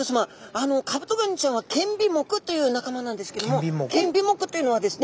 あのカブトガニちゃんは剣尾目という仲間なんですけども剣尾目というのはですね